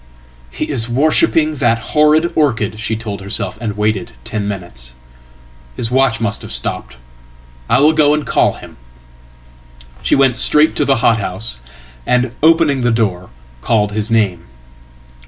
"He is worshipping that horrid orchid," she told herself, and waited tenminutes. "His watch must have stopped. I will go and call him."She went straight to the hothouse, and, opening the door, called his name.